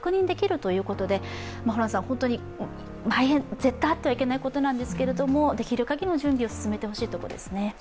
絶対あってはいけないことなんですけど、できる限りの準備を進めてほしいところですね。